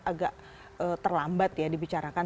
agak terlambat ya dibicarakan